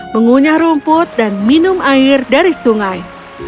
mengunyah rumput dan minum air dari sungai